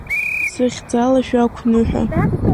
Сыхьӡала шәаақәныҳәа!